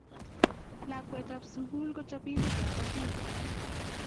Lakwetap sukul ko chopindetap atindonik